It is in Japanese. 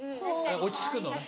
落ち着くのね。